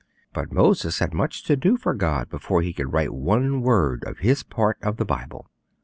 But Moses had much to do for God before he could write one word of his part of the Bible.